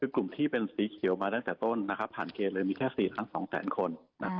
คือกลุ่มที่เป็นสีเขียวมาตั้งแต่ต้นผ่านเกณฑ์เลยมีแค่๔๒๐๐๐คน